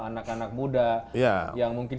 anak anak muda yang mungkin